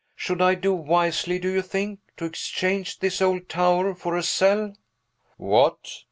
Should I do wisely, do you think, to exchange this old tower for a cell?" "What!